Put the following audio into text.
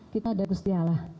kita ada kustialah